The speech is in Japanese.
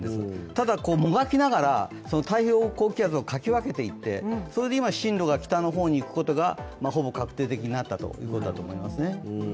ただ、もがきながら、太平洋高気圧をかき分けていって今、進路が北の方に行くことがほぼ確定的になったということなんですね。